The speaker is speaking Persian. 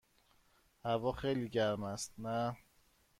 هوا خیلی گرم است، نه؟